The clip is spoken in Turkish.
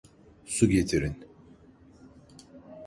Su getirin!